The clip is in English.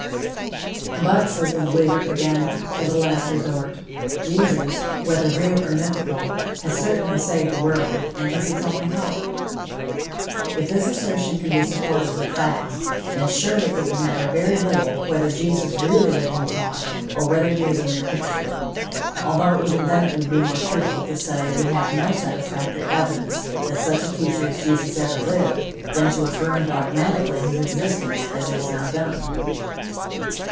"But," says the believer, again, as a last resort, "Jesus, whether real or mythical, has certainly saved the world, and is its only hope." If this assertion can be supported with facts, then surely it would matter very little whether Jesus really lived and taught, or whether he is a mere picture. Although even then it would be more truthful to say we have no satisfactory evidence that such a teacher as Jesus ever lived, than to affirm dogmatically his existence, as it is now done.